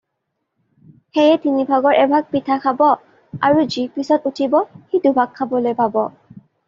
সেয়ে তিনিভাগৰ এভাগ পিঠা খাব, আৰু যি পিছত উঠিব সি দুভাগ খাবলৈ পাব।